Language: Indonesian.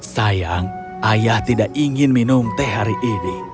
sayang ayah tidak ingin minum teh hari ini